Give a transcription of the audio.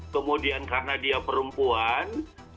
kemudian karena dia perempuan